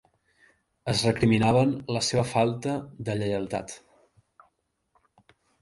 Es recriminaven la seva falta de lleialtat.